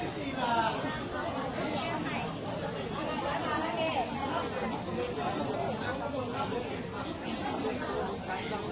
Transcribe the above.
สวัสดีครับ